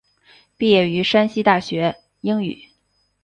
毕业于山西大学英语。